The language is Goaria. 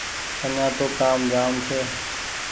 آڃآن تو ڪآم جآم ڇي